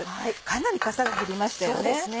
かなりかさが減りましたよね。